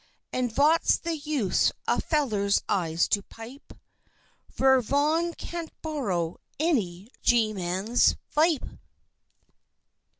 And vot's the Use a Feller's Eyes to pipe Vere von can't borrow any Gemman's Vipe?"